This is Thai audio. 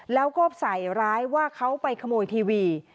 แล้วก็ใส่ร้ายว่าเขาไปขโมยทีวี